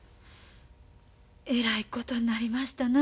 えらいことになりましたなあ。